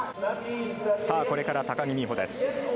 さあ、これから高木美帆です。